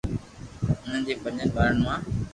انهن جي پنجن ٻارن مان،